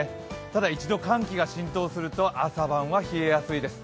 ただ、一度寒気が浸透すると朝晩は冷えやすいです。